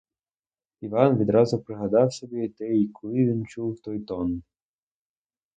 Іван відразу пригадав собі, де і коли він чув той тон.